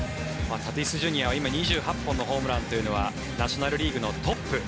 タティスＪｒ．は今２８本のホームランというのはナショナル・リーグのトップ。